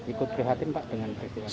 ikut prihatin pak dengan prihatin